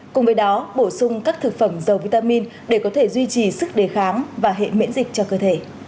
cùng với đó bổ sung các thực phẩm dầu vitamin để có thể duy trì sức đề kháng và hệ miễn dịch cho cơ thể